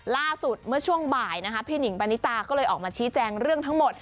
ล่าสุดเมื่อช่วงบ่ายนะคะพี่หนิงปานิตาก็เลยออกมาชี้แจงเรื่องทั้งหมด